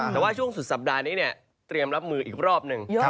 แต่ว่าช่วงสุดสัปดาห์นี้เนี่ยเตรียมรับมืออีกรอบหนึ่ง